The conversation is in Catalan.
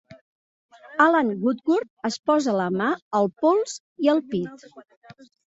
Allan Woodcourt es posa la mà al pols i al pit.